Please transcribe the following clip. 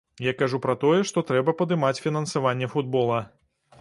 Я кажу пра тое, што трэба падымаць фінансаванне футбола.